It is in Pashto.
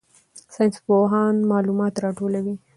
ساینسپوهان معلومات راټولوي.